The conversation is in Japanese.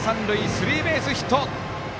スリーベースヒット！